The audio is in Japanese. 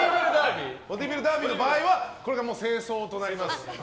ボディービルの場合はこれが正装となります。